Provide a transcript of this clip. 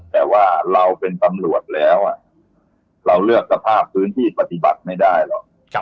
แต่ว่าเราเป็นตำรวจแล้วเราเลือกสภาพพื้นที่ปฏิบัติไม่ได้หรอก